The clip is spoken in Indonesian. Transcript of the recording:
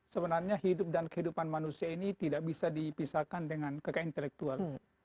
sebenarnya hidup dan kehidupan manusia ini tidak bisa dipisahkan dengan kekayaan intelektual